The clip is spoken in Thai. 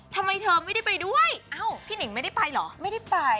ทำไมเธอไม่ได้ไปด้วยเอ้าพี่หนิงไม่ได้ไปเหรอไม่ได้ไป